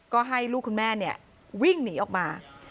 ก็ให้ลูกคุณแม่วิ่งหนีออกมา